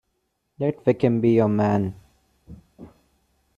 Let Wickham be your man.